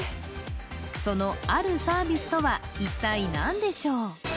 そのあるサービスとは一体何でしょう？